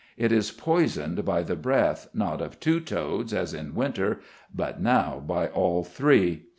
It is poisoned by the breath, not of two toads as in winter, but now by all three.